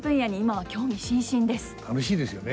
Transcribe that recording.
楽しいですよね。